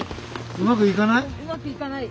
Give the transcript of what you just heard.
うまくいかない。